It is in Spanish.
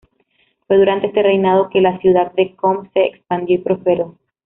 Fue durante este reinado que la ciudad de Qom se expandió y prosperó.